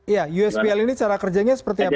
ya usbl ini cara kerjanya seperti apa pak